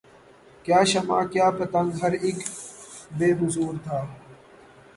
کیا شمع کیا پتنگ ہر اک بے حضور تھا